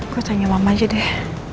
gue tanya mama aja deh